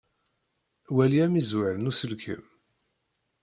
Wali amizzwer n uselkem.